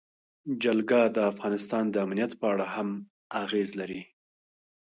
جلګه د افغانستان د امنیت په اړه هم اغېز لري.